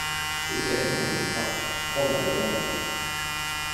小姐你唔好咁急，幫緊你，幫緊你